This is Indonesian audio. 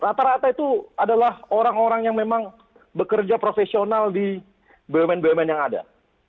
rata rata itu adalah orang orang yang memang bekerja profesional di bumn bumn yang ada